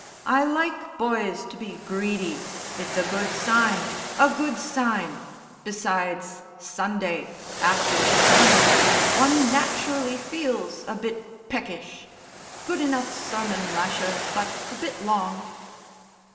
I like boys to be greedy, it's a good sign a good sign. Besides. Sunday after a sermon one naturally feels a bit peckish. Good enough sermon, Lasher, but a bit long."